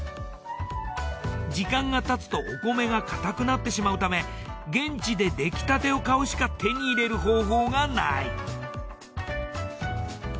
時間がたつとお米が硬くなってしまうため現地で出来立てを買うしか手に入れる方法がない。